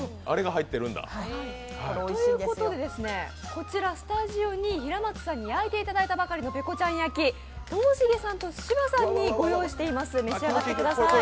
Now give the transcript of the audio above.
こちらスタジオに平松さんに焼いていただいたばかりのペコちゃん焼き、ともしげさんと芝さんに御用意しています、召し上がってください。